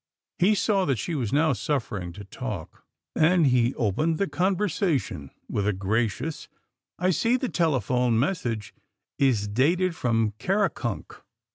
He saw that she was now suffering to talk, and he opened the conversation with a gracious, " I see the telephone message is dated from Karakunk."